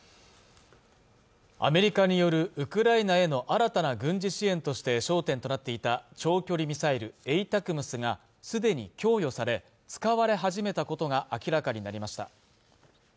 アメリカによるウクライナへの新たな軍事支援として焦点となっていた長距離ミサイルＡＴＡＣＭＳがすでに供与され使われ始めたことが明らかになりました